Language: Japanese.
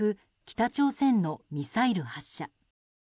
北朝鮮のミサイル発射。